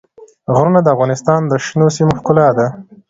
غرونه د افغانستان د شنو سیمو ښکلا ده.